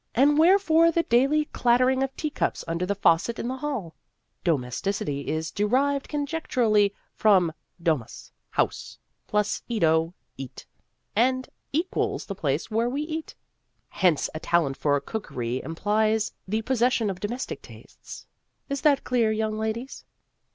And wherefore the daily clattering of tea cups under the faucet in the hall ? (Domesticity is de rived conjecturally from domus house, plus edo eat, and equals the place where we eat. Hence, a talent for cookery im plies the possession of domestic tastes. Is that clear, young ladies